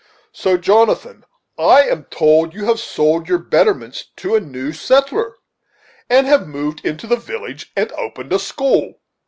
So, Jotham, I am told you have sold your betterments to a new settler, and have moved into the village and opened a school.